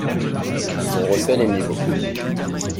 Ils ont refait les niveaux.